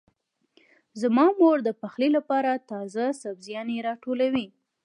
زما مور د پخلي لپاره تازه سبزيانې راټولوي.